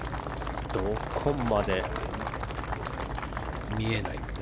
どこまで見えないのか。